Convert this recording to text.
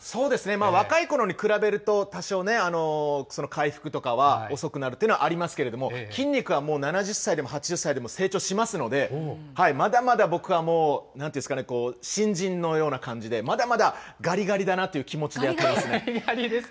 若いころに比べると多少ね、回復とかは遅くなるというのはありますけれども、筋肉はもう７０歳でも８０歳でも成長しますので、まだまだ僕はもう、新人のような感じで、まだまだがりがりだなとがりがりですか？